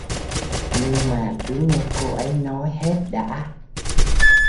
Nhưng mà cứ nghe cô ấy nói hết đã